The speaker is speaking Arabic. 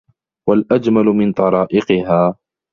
وَالْأَجْمَلَ مِنْ طَرَائِقِهَا